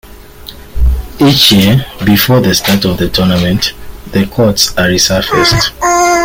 Each year, before the start of the tournament, the courts are resurfaced.